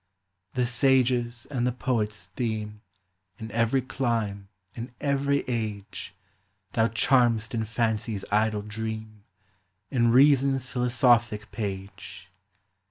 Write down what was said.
The sage's and the poet's theme, In every clime, in every age, Thou charm'st in Fancy's idle dream, In, Reason's philosophic page.